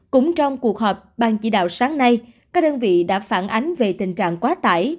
cũng trong cuộc họp ban chỉ đạo sáng nay các đơn vị đã phản ánh về tình trạng quá tải